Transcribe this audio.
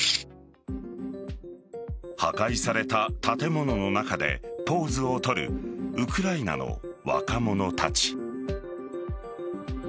破壊された建物の中でポーズを取るウクライナの若者たち。